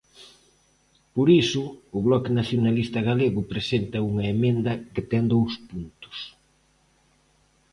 Por iso o Bloque Nacionalista Galego presenta unha emenda que ten dous puntos: